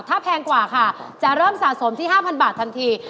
ถ้าแพงกว่าค่ะจะเริ่มสะสมที่๕๐๐บาททันที